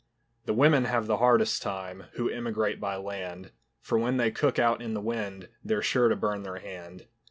The women have the hardest time Who emigrate by land; For when they cook out in the wind They're sure to burn their hand.